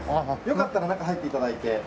よかったら中入って頂いて。